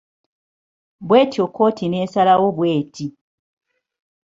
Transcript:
Bwetyo kkooti neesalawo bweti.